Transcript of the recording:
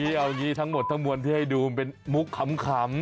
เอาอย่างนี้ทั้งหมดทั้งมวลที่ให้ดูมันเป็นมุกขำ